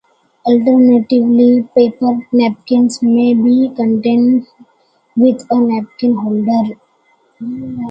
Alternatively, paper napkins may be contained with a napkin holder.